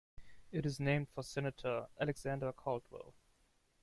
It is named for Senator Alexander Caldwell.